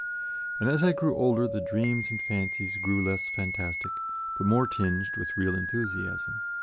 And as I grew older the dreams and fancies grew less fantastic, but more tinged with real enthusiasm.